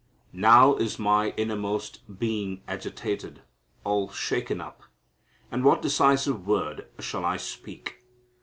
"Now is my innermost being agitated, all shaken up; and what decisive word shall I speak?